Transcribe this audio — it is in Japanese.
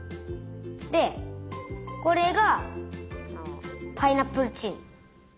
でこれがパイナップルチーム。